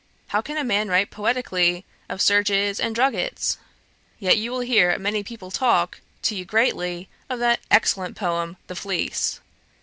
How can a man write poetically of serges and druggets? Yet you will hear many people talk to you gravely of that excellent poem, The Fleece.'